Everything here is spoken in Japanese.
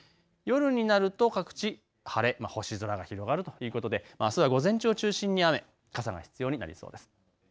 夜になると各地、晴れ、星空が広がるということであすは午前中を中心に雨傘が必要になりそうです。